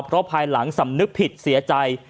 เพราะภายหลังสำนึกผิดเสียใจ